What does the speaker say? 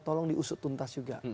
tolong diusut tuntas juga